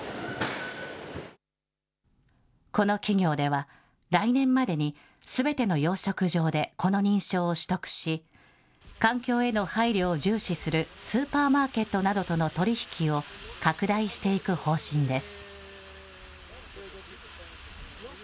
この企業では、来年までにすべての養殖場でこの認証を取得し、環境への配慮を重視するスーパーマーケットなどとの取り引きを拡大していく方針です。